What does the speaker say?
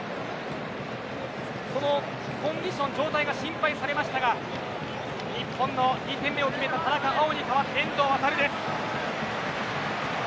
コンディション、状態が心配されましたが日本の２点目を決めた田中碧に代わって遠藤航です。